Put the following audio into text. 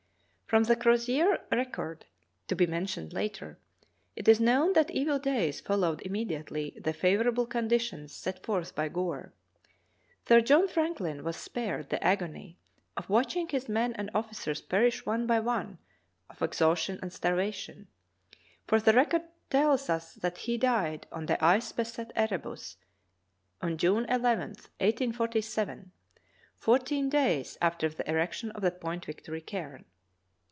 From the Crozier record, to be mentioned later, it is known that evil days followed immediately the favor able conditions set forth by Gore. Sir John Franklin was spared the agony of watching his men and officers perish one by one of exhaustion and starvation, for the record tells us that he died on the ice beset Erebus, June II, 1847, fourteen days after the erection of the Point Victory cairn.